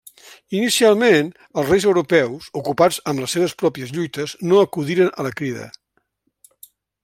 Inicialment, els reis europeus, ocupats amb les seves pròpies lluites no acudiren a la crida.